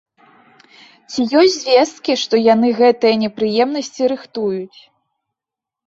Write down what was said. Ці ёсць звесткі, што яны гэтыя непрыемнасці рыхтуюць.